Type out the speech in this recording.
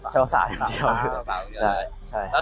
ชูสาวพราโย